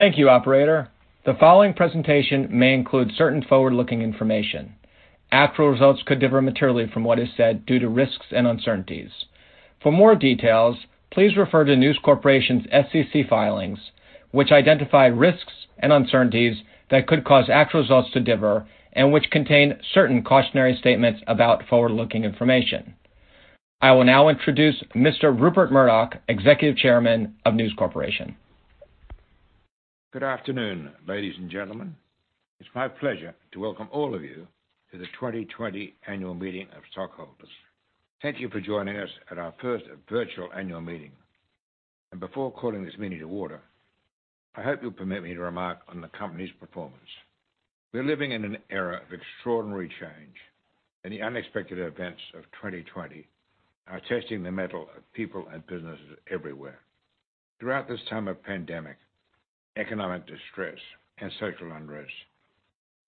Thank you, operator. The following presentation may include certain forward-looking information. Actual results could differ materially from what is said due to risks and uncertainties. For more details, please refer to News Corporation's SEC filings, which identify risks and uncertainties that could cause actual results to differ and which contain certain cautionary statements about forward-looking information. I will now introduce Mr. Rupert Murdoch, Executive Chairman of News Corporation. Good afternoon, ladies and gentlemen. It's my pleasure to welcome all of you to the 2020 Annual Meeting of Stockholders. Thank you for joining us at our first virtual annual meeting. Before calling this meeting to order, I hope you'll permit me to remark on the company's performance. We're living in an era of extraordinary change, and the unexpected events of 2020 are testing the mettle of people and businesses everywhere. Throughout this time of pandemic, economic distress, and social unrest,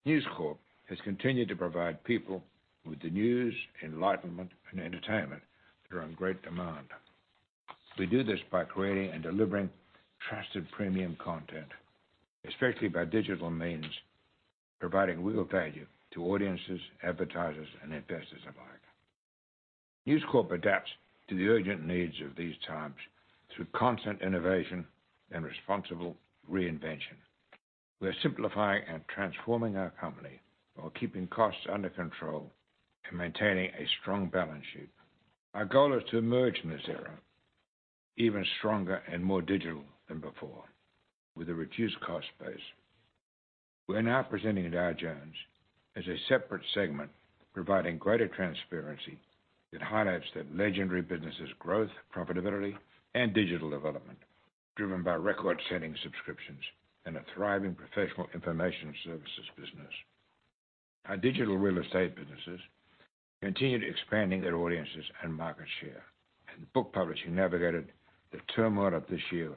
News Corp has continued to provide people with the news, enlightenment, and entertainment that are in great demand. We do this by creating and delivering trusted premium content, especially by digital means, providing real value to audiences, advertisers, and investors alike. News Corp adapts to the urgent needs of these times through constant innovation and responsible reinvention. We're simplifying and transforming our company while keeping costs under control and maintaining a strong balance sheet. Our goal is to emerge from this era even stronger and more digital than before, with a reduced cost base. We're now presenting Dow Jones as a separate segment, providing greater transparency that highlights that legendary business's growth, profitability, and digital development, driven by record-setting subscriptions and a thriving professional information services business. Our digital real estate businesses continued expanding their audiences and market share, and book publishing navigated the turmoil of this year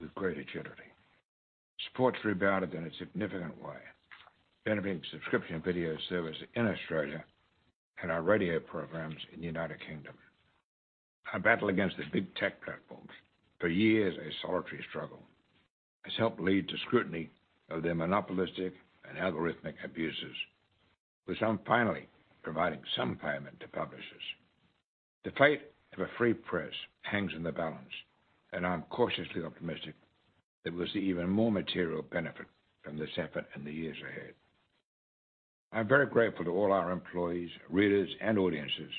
with great agility. Sports rebounded in a significant way, benefiting subscription video service in Australia and our radio programs in the United Kingdom. Our battle against the big tech platforms, for years a solitary struggle, has helped lead to scrutiny of their monopolistic and algorithmic abuses, with some finally providing some payment to publishers. The fate of a free press hangs in the balance. I'm cautiously optimistic that we'll see even more material benefit from this effort in the years ahead. I'm very grateful to all our employees, readers and audiences,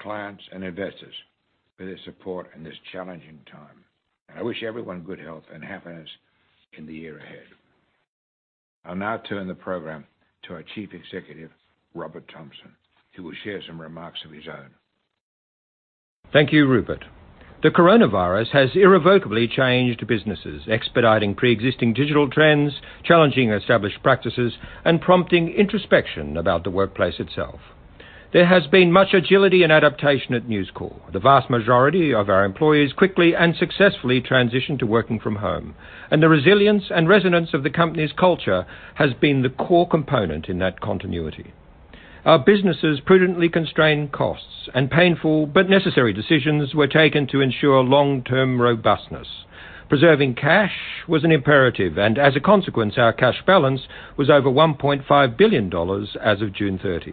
clients, and investors for their support in this challenging time. I wish everyone good health and happiness in the year ahead. I'll now turn the program to our chief executive, Robert Thomson, who will share some remarks of his own. Thank you, Rupert. The coronavirus has irrevocably changed businesses, expediting preexisting digital trends, challenging established practices, and prompting introspection about the workplace itself. There has been much agility and adaptation at News Corp. The vast majority of our employees quickly and successfully transitioned to working from home, and the resilience and resonance of the company's culture has been the core component in that continuity. Our businesses prudently constrained costs, and painful but necessary decisions were taken to ensure long-term robustness. Preserving cash was an imperative, and as a consequence, our cash balance was over $1.5 billion as of June 30.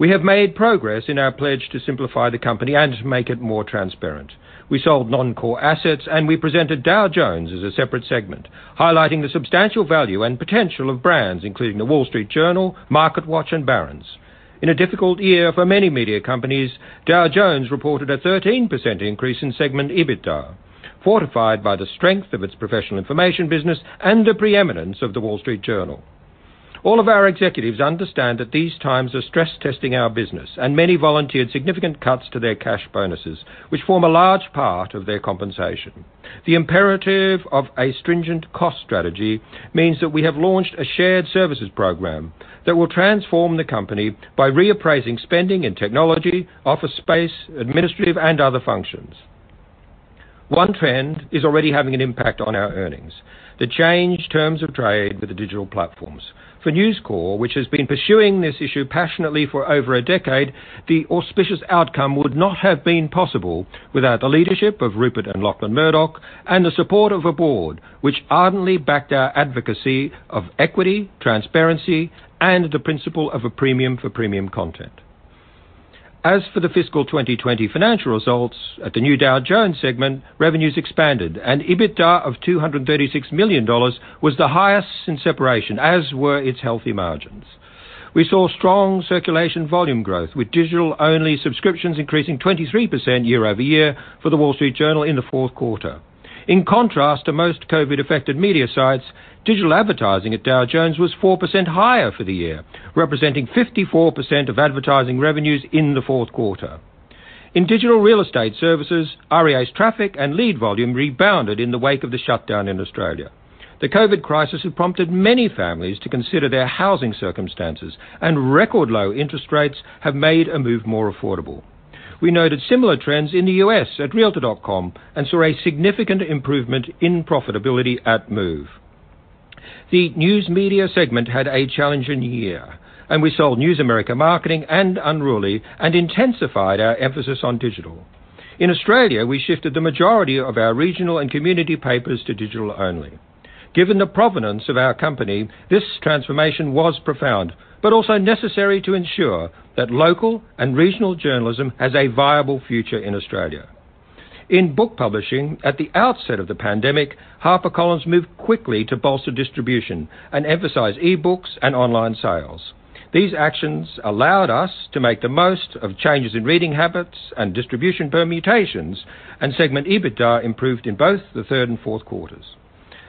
We have made progress in our pledge to simplify the company and make it more transparent. We sold non-core assets, and we presented Dow Jones as a separate segment, highlighting the substantial value and potential of brands including The Wall Street Journal, MarketWatch, and Barron's. In a difficult year for many media companies, Dow Jones reported a 13% increase in segment EBITDA, fortified by the strength of its professional information business and the preeminence of The Wall Street Journal. All of our executives understand that these times are stress-testing our business, and many volunteered significant cuts to their cash bonuses, which form a large part of their compensation. The imperative of a stringent cost strategy means that we have launched a shared services program that will transform the company by reappraising spending and technology, office space, administrative, and other functions. One trend is already having an impact on our earnings, the changed terms of trade with the digital platforms. For News Corp, which has been pursuing this issue passionately for over a decade, the auspicious outcome would not have been possible without the leadership of Rupert and Lachlan Murdoch and the support of a board which ardently backed our advocacy of equity, transparency, and the principle of a premium for premium content. As for the fiscal 2020 financial results, at the new Dow Jones segment, revenues expanded, and EBITDA of $236 million was the highest since separation, as were its healthy margins. We saw strong circulation volume growth, with digital-only subscriptions increasing 23% year-over-year for The Wall Street Journal in the fourth quarter. In contrast to most COVID-affected media sites, digital advertising at Dow Jones was 4% higher for the year, representing 54% of advertising revenues in the fourth quarter. In digital real estate services, REA's traffic and lead volume rebounded in the wake of the shutdown in Australia. The COVID crisis has prompted many families to consider their housing circumstances, and record low interest rates have made a move more affordable. We noted similar trends in the U.S. at realtor.com and saw a significant improvement in profitability at Move. The news media segment had a challenging year, and we sold News America Marketing and Unruly and intensified our emphasis on digital. In Australia, we shifted the majority of our regional and community papers to digital only. Given the provenance of our company, this transformation was profound, but also necessary to ensure that local and regional journalism has a viable future in Australia. In book publishing, at the outset of the pandemic, HarperCollins moved quickly to bolster distribution and emphasize e-books and online sales. These actions allowed us to make the most of changes in reading habits and distribution permutations, and segment EBITDA improved in both the third and fourth quarters.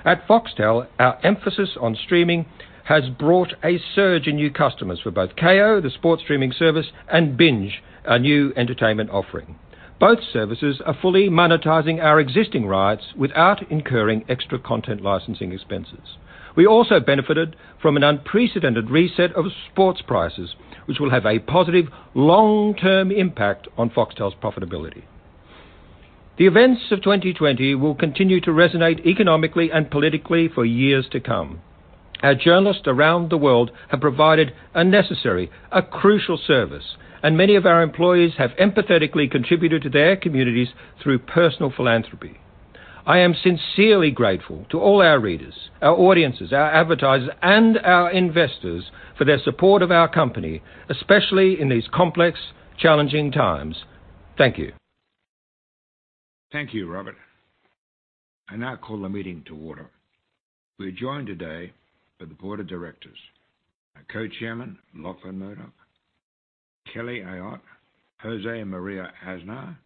At Foxtel, our emphasis on streaming has brought a surge in new customers for both Kayo, the sports streaming service, and Binge, our new entertainment offering. Both services are fully monetizing our existing rights without incurring extra content licensing expenses. We also benefited from an unprecedented reset of sports prices, which will have a positive long-term impact on Foxtel's profitability. The events of 2020 will continue to resonate economically and politically for years to come. Our journalists around the world have provided a necessary, a crucial service, and many of our employees have empathetically contributed to their communities through personal philanthropy. I am sincerely grateful to all our readers, our audiences, our advertisers, and our investors for their support of our company, especially in these complex, challenging times. Thank you. Thank you, Robert. I now call the meeting to order. We are joined today by the board of directors, our Co-Chairman, Lachlan Murdoch, Kelly Ayotte, José María Aznar,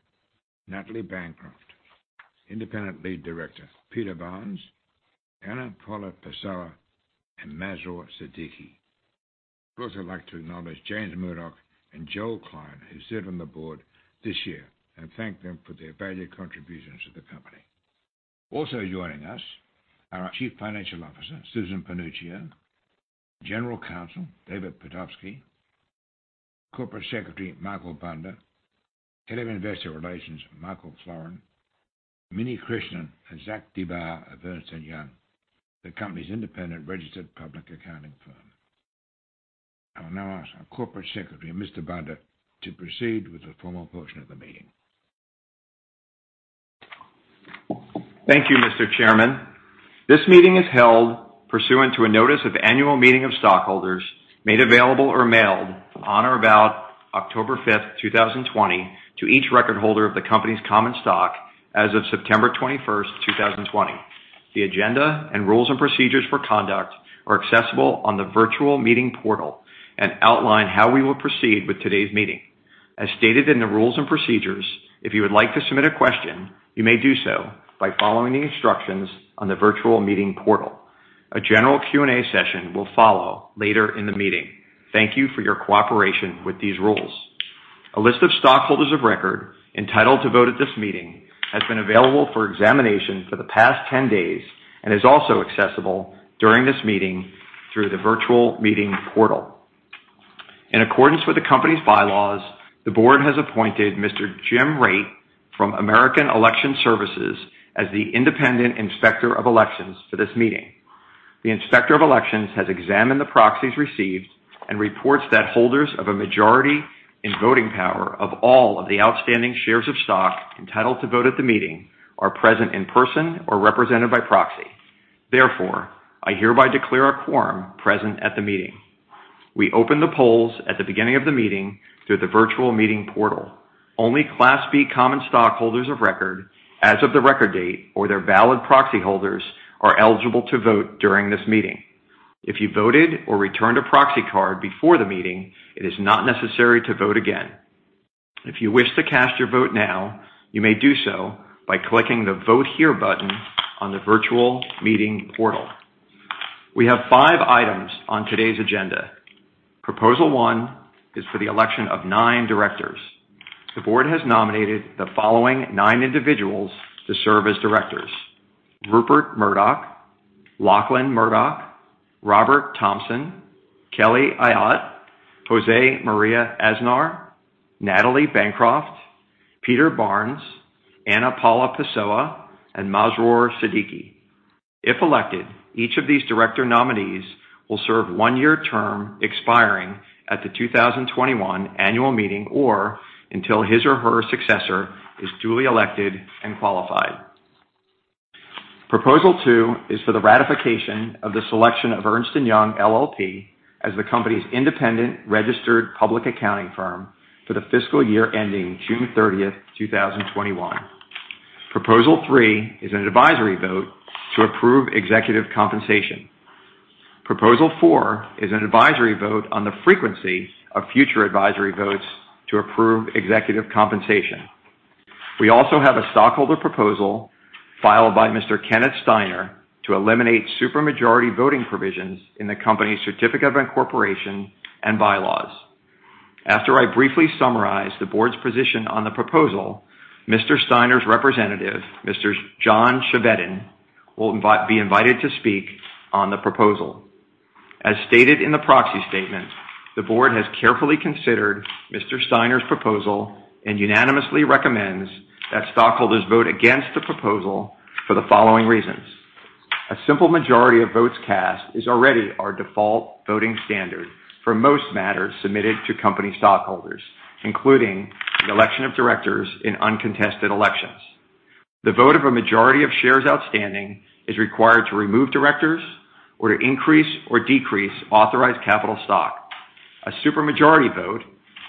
Natalie Bancroft, Lead Independent Director, Peter Barnes, Ana Paula Pessoa, and Masroor Siddiqui. I'd also like to acknowledge James Murdoch and Joel Klein, who served on the board this year, and thank them for their valued contributions to the company. Also joining us are our Chief Financial Officer, Susan Panuccio, General Counsel, David Pitofsky, Corporate Secretary, Michael Bunder, Head of Investor Relations, Michael Florin, Mini Krishnan, and Zach DeBar of Ernst & Young, the company's independent registered public accounting firm. I will now ask our Corporate Secretary, Mr. Bunder, to proceed with the formal portion of the meeting. Thank you, Mr. Chairman. This meeting is held pursuant to a notice of annual meeting of stockholders made available or mailed on or about October 5th, 2020, to each record holder of the company's common stock as of September 21st, 2020. The agenda and rules and procedures for conduct are accessible on the virtual meeting portal and outline how we will proceed with today's meeting. As stated in the rules and procedures, if you would like to submit a question, you may do so by following the instructions on the virtual meeting portal. A general Q&A session will follow later in the meeting. Thank you for your cooperation with these rules. A list of stockholders of record entitled to vote at this meeting has been available for examination for the past 10 days and is also accessible during this meeting through the virtual meeting portal. In accordance with the company's bylaws, the board has appointed Mr. Jim Raitt from American Election Services as the independent inspector of elections for this meeting. The Inspector of elections has examined the proxies received and reports that holders of a majority in voting power of all of the outstanding shares of stock entitled to vote at the meeting are present in person or represented by proxy. Therefore, I hereby declare a quorum present at the meeting. We open the polls at the beginning of the meeting through the virtual meeting portal. Only Class B common stockholders of record as of the record date or their valid proxy holders are eligible to vote during this meeting. If you voted or returned a proxy card before the meeting, it is not necessary to vote again. If you wish to cast your vote now, you may do so by clicking the Vote Here button on the virtual meeting portal. We have five items on today's agenda. Proposal one is for the election of nine directors. The board has nominated the following nine individuals to serve as Directors, Rupert Murdoch, Lachlan Murdoch, Robert Thomson, Kelly Ayotte, José María Aznar, Natalie Bancroft, Peter Barnes, Ana Paula Pessoa, and Masroor Siddiqui. If elected, each of these director nominees will serve a one-year term expiring at the 2021 annual meeting, or until his or her successor is duly elected and qualified. Proposal two is for the ratification of the selection of Ernst & Young LLP as the company's independent registered public accounting firm for the fiscal year ending June 30th, 2021. Proposal three is an advisory vote to approve executive compensation. Proposal four is an advisory vote on the frequency of future advisory votes to approve executive compensation. We also have a stockholder proposal filed by Mr. Kenneth Steiner to eliminate supermajority voting provisions in the company's certificate of incorporation and bylaws. After I briefly summarize the board's position on the proposal, Mr. Steiner's representative, Mr. John Chevedden, will be invited to speak on the proposal. As stated in the proxy statement, the board has carefully considered Mr. Steiner's proposal and unanimously recommends that stockholders vote against the proposal for the following reasons. A simple majority of votes cast is already our default voting standard for most matters submitted to company stockholders, including the election of directors in uncontested elections. The vote of a majority of shares outstanding is required to remove directors or to increase or decrease authorized capital stock. A supermajority vote,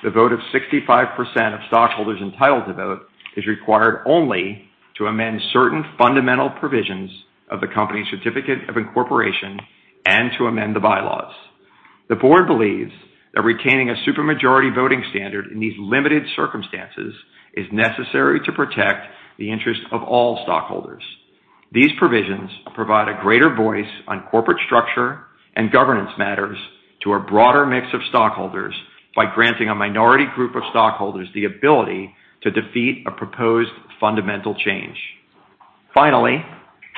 the vote of 65% of stockholders entitled to vote, is required only to amend certain fundamental provisions of the company certificate of incorporation and to amend the bylaws. The board believes that retaining a supermajority voting standard in these limited circumstances is necessary to protect the interest of all stockholders. These provisions provide a greater voice on corporate structure and governance matters to a broader mix of stockholders by granting a minority group of stockholders the ability to defeat a proposed fundamental change.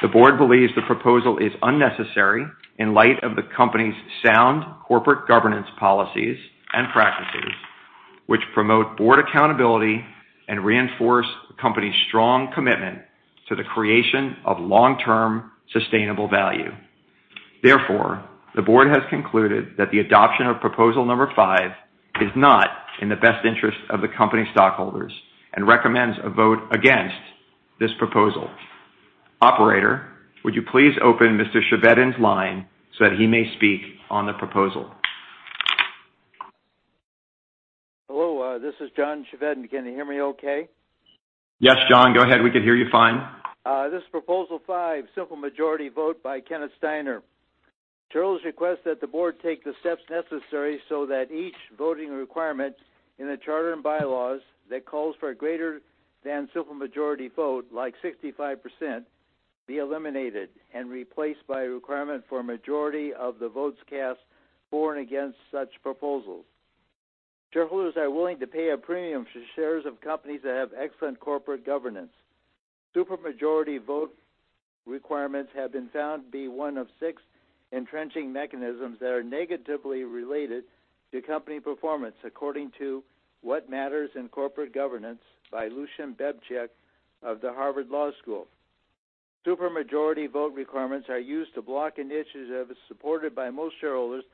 The board believes the proposal is unnecessary in light of the company's sound corporate governance policies and practices, which promote board accountability and reinforce the company's strong commitment to the creation of long-term sustainable value. Therefore, the board has concluded that the adoption of proposal number five is not in the best interest of the company stockholders and recommends a vote against this proposal. Operator, would you please open Mr. Chevedden's line so that he may speak on the proposal? Hello, this is John Chevedden. Can you hear me okay? Yes, John, go ahead. We can hear you fine. This is proposal five, simple majority vote by Kenneth Steiner. Shareholders request that the board take the steps necessary so that each voting requirement in the charter and bylaws that calls for a greater than simple majority vote, like 65%, be eliminated and replaced by a requirement for a majority of the votes cast for and against such proposals. Shareholders are willing to pay a premium for shares of companies that have excellent corporate governance. Supermajority vote requirements have been found to be one of six entrenching mechanisms that are negatively related to company performance, according to What Matters in Corporate Governance by Lucian Bebchuk of the Harvard Law School. Supermajority vote requirements are used to block initiatives supported by most shareholders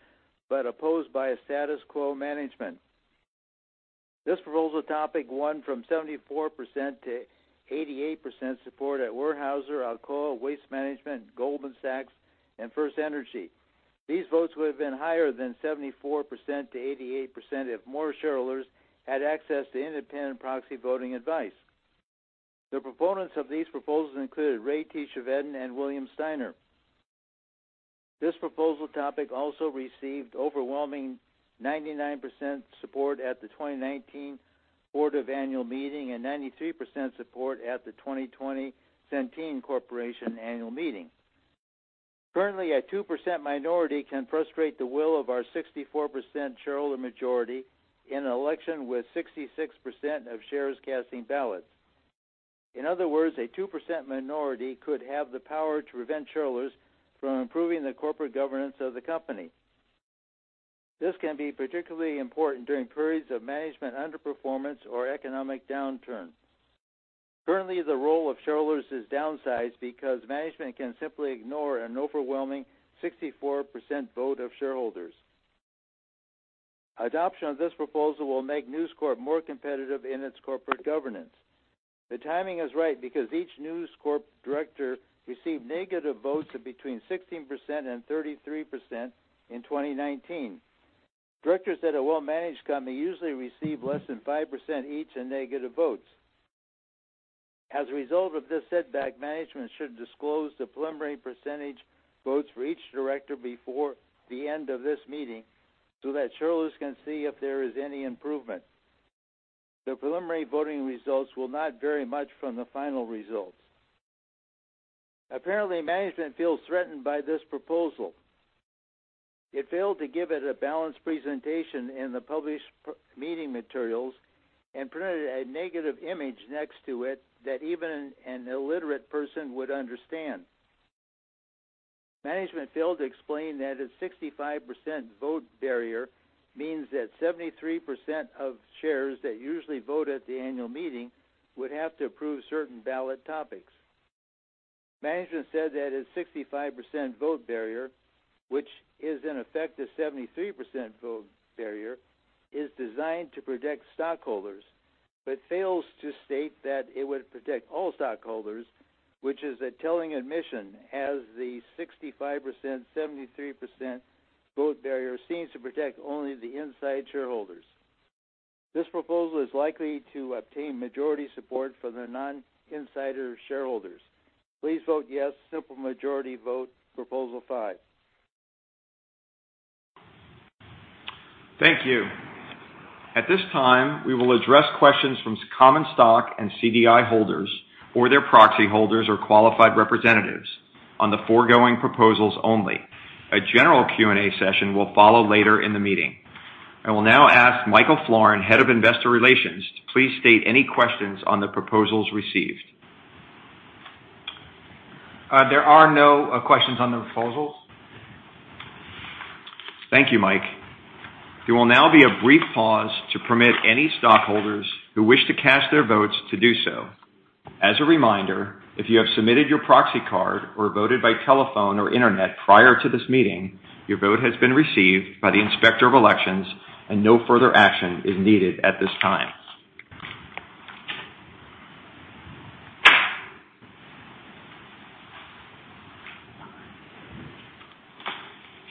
but opposed by a status quo management. This proposal topic won from 74%-88% support at Weyerhaeuser, Alcoa, Waste Management, Goldman Sachs, and FirstEnergy. These votes would have been higher than 74%-88% if more shareholders had access to independent proxy voting advice. The proponents of these proposals included Ray T. Chevedden and William Steiner. This proposal topic also received overwhelming 99% support at the 2019 board of annual meeting and 93% support at the 2020 Centene Corporation annual meeting. Currently, a 2% minority can frustrate the will of our 64% shareholder majority in an election with 66% of shares casting ballots. In other words, a 2% minority could have the power to prevent shareholders from improving the corporate governance of the company. This can be particularly important during periods of management underperformance or economic downturn. Currently, the role of shareholders is downsized because management can simply ignore an overwhelming 64% vote of shareholders. Adoption of this proposal will make News Corp more competitive in its corporate governance. The timing is right because each News Corp director received negative votes of between 16% and 33% in 2019. Directors at a well-managed company usually receive less than 5% each in negative votes. As a result of this setback, management should disclose the preliminary percentage votes for each director before the end of this meeting so that shareholders can see if there is any improvement. The preliminary voting results will not vary much from the final results. Apparently, management feels threatened by this proposal. It failed to give it a balanced presentation in the published meeting materials and printed a negative image next to it that even an illiterate person would understand. Management failed to explain that a 65% vote barrier means that 73% of shares that usually vote at the annual meeting would have to approve certain ballot topics. Management said that a 65% vote barrier, which is in effect a 73% vote barrier, is designed to protect stockholders but fails to state that it would protect all stockholders, which is a telling admission as the 65%/73% vote barrier seems to protect only the inside shareholders. This proposal is likely to obtain majority support from the non-insider shareholders. Please vote yes, simple majority vote proposal five. Thank you. At this time, we will address questions from common stock and CDI holders or their proxy holders or qualified representatives on the foregoing proposals only. A general Q&A session will follow later in the meeting. I will now ask Michael Florin, Head of Investor Relations, to please state any questions on the proposals received. There are no questions on the proposals. Thank you, Mike. There will now be a brief pause to permit any stockholders who wish to cast their votes to do so. As a reminder, if you have submitted your proxy card or voted by telephone or internet prior to this meeting, your vote has been received by the Inspector of Elections and no further action is needed at this time.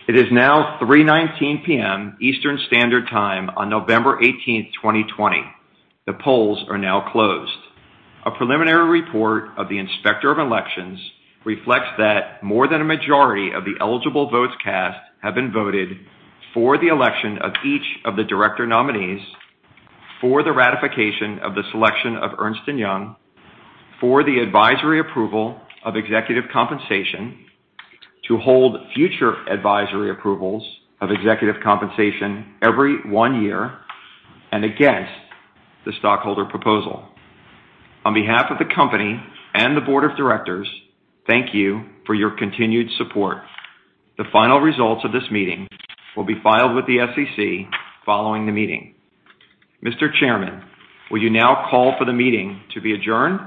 It is now 3:19 P.M. Eastern Standard Time on November 18th, 2020. The polls are now closed. A preliminary report of the Inspector of Elections reflects that more than a majority of the eligible votes cast have been voted for the election of each of the director nominees, for the ratification of the selection of Ernst & Young, for the advisory approval of executive compensation, to hold future advisory approvals of executive compensation every one year, and against the stockholder proposal. On behalf of the company and the board of directors, thank you for your continued support. The final results of this meeting will be filed with the SEC following the meeting. Mr. Chairman, will you now call for the meeting to be adjourned?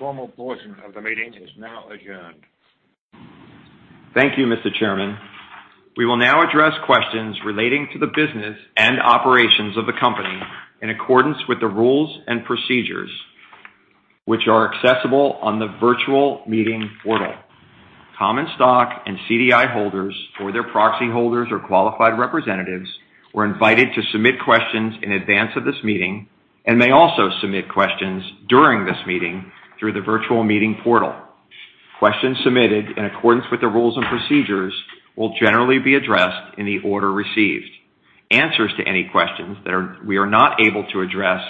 The formal portion of the meeting is now adjourned. Thank you, Mr. Chairman. We will now address questions relating to the business and operations of the company in accordance with the rules and procedures, which are accessible on the virtual meeting portal. Common stock and CDI holders or their proxy holders or qualified representatives were invited to submit questions in advance of this meeting and may also submit questions during this meeting through the virtual meeting portal. Questions submitted in accordance with the rules and procedures will generally be addressed in the order received. Answers to any questions that we are not able to address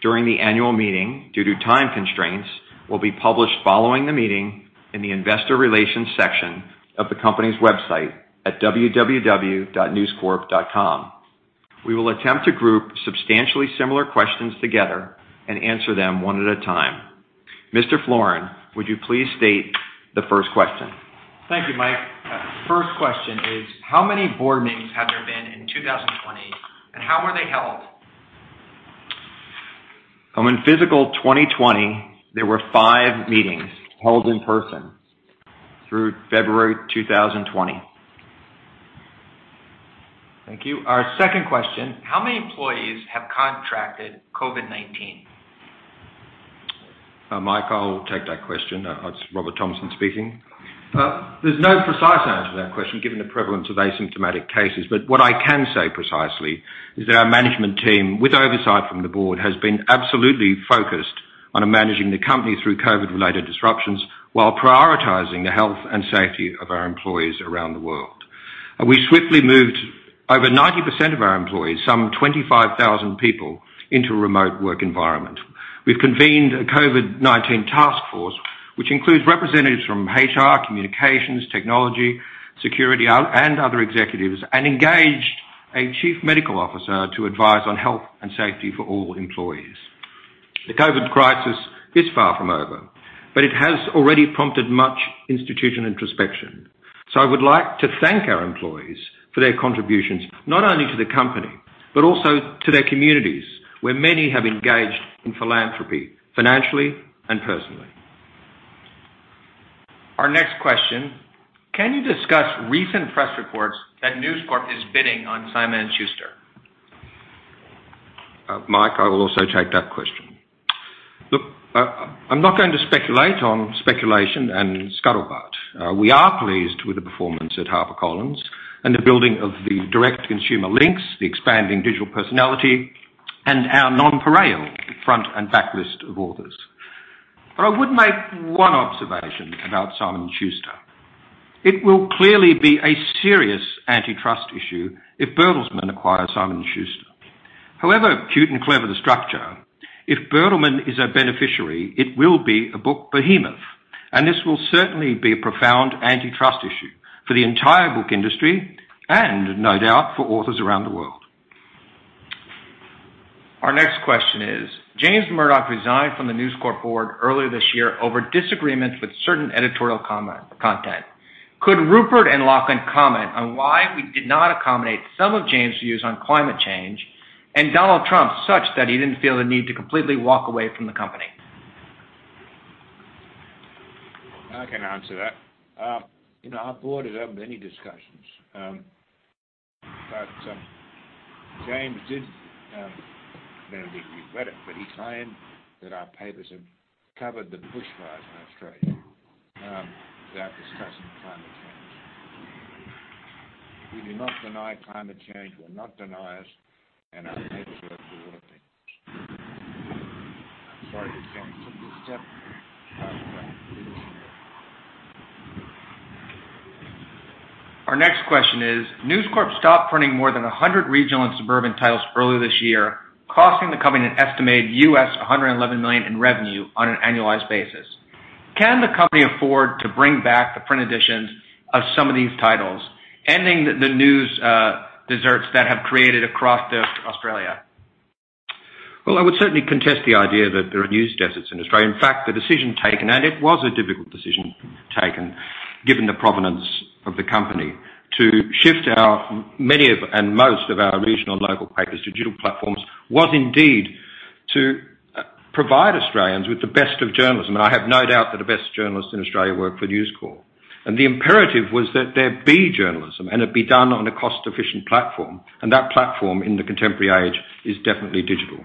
during the annual meeting due to time constraints will be published following the meeting in the investor relations section of the company's website at www.newscorp.com. We will attempt to group substantially similar questions together and answer them one at a time. Mr. Florin, would you please state the first question? Thank you, Mike. First question is, how many board meetings have there been in 2020, and how were they held? In fiscal 2020, there were five meetings held in person through February 2020. Thank you. Our second question, how many employees have contracted COVID-19? Mike, I'll take that question. It's Robert Thomson speaking. There's no precise answer to that question, given the prevalence of asymptomatic cases. What I can say precisely is that our management team, with oversight from the board, has been absolutely focused on managing the company through COVID-related disruptions while prioritizing the health and safety of our employees around the world. We swiftly moved over 90% of our employees, some 25,000 people, into a remote work environment. We've convened a COVID-19 task force, which includes representatives from HR, communications, technology, security, and other executives, and engaged a Chief Medical Officer to advise on health and safety for all employees. The COVID crisis is far from over, but it has already prompted much institutional introspection. I would like to thank our employees for their contributions, not only to the company, but also to their communities, where many have engaged in philanthropy, financially and personally. Our next question, can you discuss recent press reports that News Corp is bidding on Simon & Schuster? Mike, I will also take that question. Look, I'm not going to speculate on speculation and scuttlebutt. We are pleased with the performance at HarperCollins and the building of the direct consumer links, the expanding digital personality, and our nonpareil front and back list of authors. I would make one observation about Simon & Schuster. It will clearly be a serious antitrust issue if Bertelsmann acquires Simon & Schuster. However cute and clever the structure, if Bertelsmann is a beneficiary, it will be a book behemoth, and this will certainly be a profound antitrust issue for the entire book industry and no doubt for authors around the world. Our next question is, James Murdoch resigned from the News Corp board earlier this year over disagreements with certain editorial content. Could Rupert and Lachlan comment on why we did not accommodate some of James' views on climate change and Donald Trump such that he didn't feel the need to completely walk away from the company? I can answer that. Our board has had many discussions. James did, not that he'd regret it, but he claimed that our papers had covered the bushfires in Australia without discussing climate change. We do not deny climate change. We're not deniers, and our editors were working. I'm sorry, James, if you step back from this. Our next question is, News Corp stopped printing more than 100 regional and suburban titles earlier this year, costing the company an estimated $111 million in revenue on an annualized basis. Can the company afford to bring back the print editions of some of these titles, ending the news deserts that have created across Australia? Well, I would certainly contest the idea that there are news deserts in Australia. In fact, the decision taken, and it was a difficult decision taken, given the provenance of the company, to shift many of and most of our regional and local papers to digital platforms, was indeed to provide Australians with the best of journalism. I have no doubt that the best journalists in Australia work for News Corp. The imperative was that there be journalism and it be done on a cost-efficient platform, and that platform in the contemporary age is definitely digital.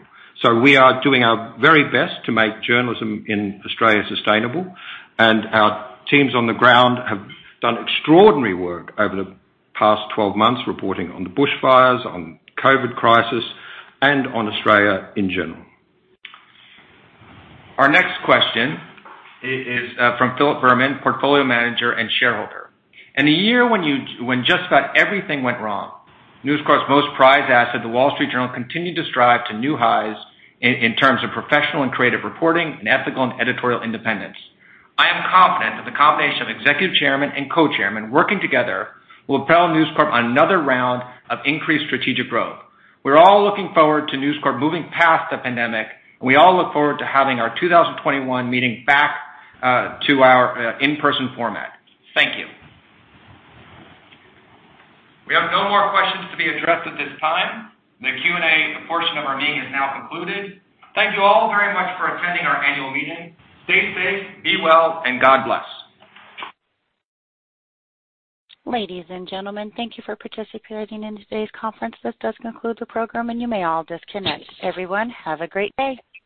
We are doing our very best to make journalism in Australia sustainable, and our teams on the ground have done extraordinary work over the past 12 months, reporting on the bushfires, on COVID-19 crisis, and on Australia in general. Our next question is from Philip Berman, portfolio manager and shareholder. In the year when just about everything went wrong, News Corp's most prized asset, The Wall Street Journal, continued to strive to new highs in terms of professional and creative reporting and ethical and editorial independence. I am confident that the combination of Executive Chairman and Co-Chairman working together will propel News Corp on another round of increased strategic growth. We're all looking forward to News Corp moving past the pandemic. We all look forward to having our 2021 meeting back to our in-person format. Thank you. We have no more questions to be addressed at this time. The Q&A portion of our meeting is now concluded. Thank you all very much for attending our annual meeting. Stay safe, be well, and God bless. Ladies and gentlemen, thank you for participating in today's conference. This does conclude the program, and you may all disconnect. Everyone, have a great day.